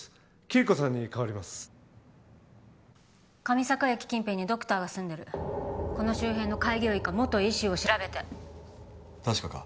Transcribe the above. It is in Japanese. キリコさんに代わります上坂駅近辺にドクターが住んでるこの周辺の開業医か元医師を調べて確かか？